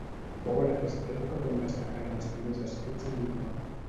Fou en aquesta època quan destacaren els primers escrits en lituà.